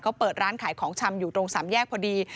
เขาเปิดร้านขายของชำอยู่ตรงสามแยกพอดี